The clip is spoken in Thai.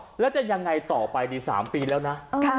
แล้วจะยังไงต่อไปนี่๓ปีแล้วนะ